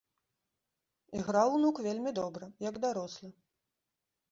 Іграў унук вельмі добра, як дарослы.